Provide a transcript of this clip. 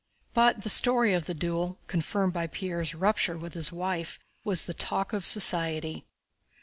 But the story of the duel, confirmed by Pierre's rupture with his wife, was the talk of society.